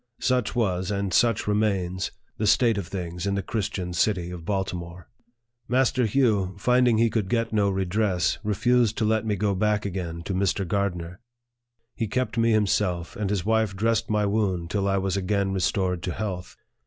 Such was, and such remains, the state of things in the Christian city of Baltimore. Master Hugh, finding he could get no redress, re fused to let me go back again to Mr. Gardner. He kept me himself, and his wife dressed my wound till 1 was again restored to health.